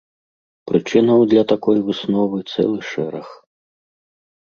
Прычынаў для такой высновы цэлы шэраг.